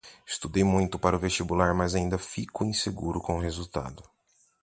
Estudei muito para o vestibular, mas ainda fico inseguro com o resultado.